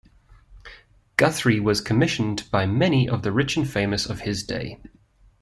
Guthrie was commissioned by many of the rich and famous of his day.